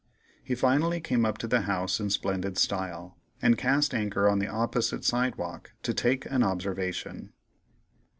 He finally came up to the house in splendid style, and cast anchor on the opposite sidewalk to take an observation.